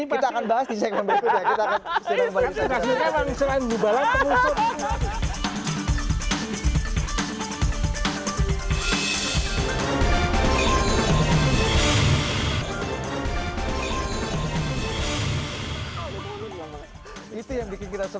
kita akan bahas di segmen berikutnya